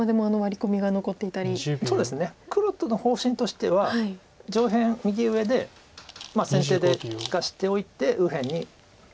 そうですね黒の方針としては上辺右上で先手で利かしておいて右辺に。